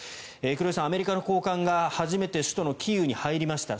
黒井さん、アメリカの高官が初めて首都のキーウに入りました。